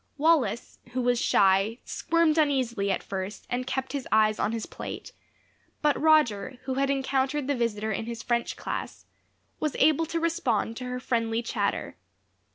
Wallace, who was shy, squirmed uneasily at first and kept his eyes on his plate; but Roger, who had encountered the visitor in his French class, was able to respond to her friendly chatter.